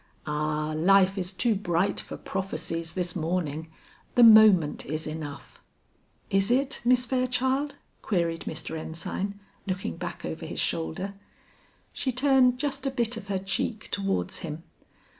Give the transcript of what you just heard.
"Ah, life is too bright for prophesies this morning. The moment is enough." "Is it Miss Fairchild?" queried Mr. Ensign looking back over his shoulder. She turned just a bit of her cheek towards him.